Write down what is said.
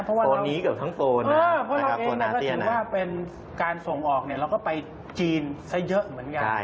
เพราะว่าเราเองก็ถือว่าเป็นการส่งออกเนี่ยเราก็ไปจีนซะเยอะเหมือนกัน